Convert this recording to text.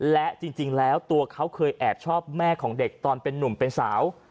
และจริงแล้วตัวเขาเคยแอบชอบแม่ของเด็กตอนเป็นนุ่มเป็นสาว